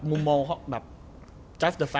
มุมมองแบบ